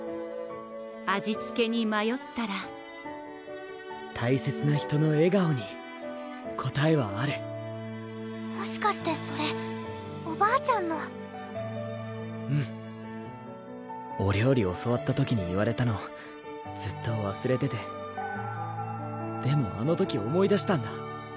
味つけにまよったら大切な人の笑顔に答えはあるもしかしてそれおばあちゃんのうんお料理教わった時に言われたのずっとわすれててでもあの時思い出したんだ！